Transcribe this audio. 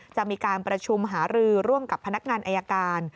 จะมีการประชุมหารือร่วมกับพนักงานอายการ